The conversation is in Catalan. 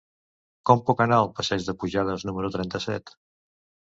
Com puc anar al passeig de Pujades número trenta-set?